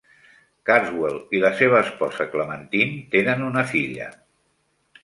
Carswell i la seva esposa Clementine tenen una filla.